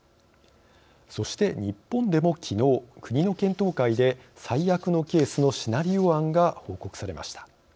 そして日本でも、きのう国の検討会で最悪のケースのシナリオ案が報告されました。